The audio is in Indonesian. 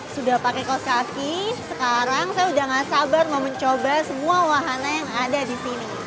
sudah pakai kaos kaki sekarang saya sudah tidak sabar mencoba semua wahannya yang ada di sini